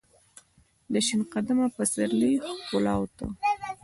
دشین قدمه پسرلی ښکالو ته ،